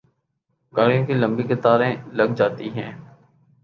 گاڑیوں کی لمبی قطاریں لگ جاتی ہیں۔